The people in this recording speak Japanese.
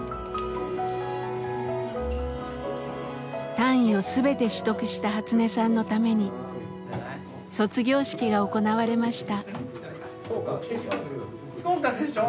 単位を全て取得したハツネさんのために卒業式が行われました。